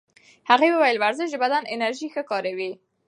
هغې وویل ورزش د بدن انرژي ښه کاروي.